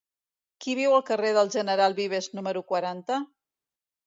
Qui viu al carrer del General Vives número quaranta?